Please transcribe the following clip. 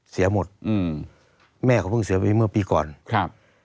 เสียหมดอืมแม่เขาเพิ่งเสียไปเมื่อปีก่อนครับ